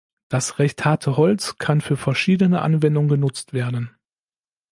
Das recht harte Holz kann für verschiedene Anwendung genutzt werden.